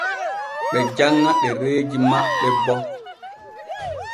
Ɓe janŋa ɗereeji maɓɓe bo.